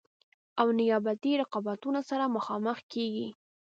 او نیابتي رقابتونو سره مخامخ کیږي.